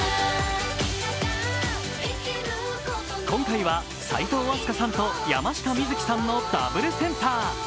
今回は齋藤飛鳥さんと山下美月さんのダブルセンター。